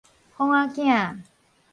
仿仔囝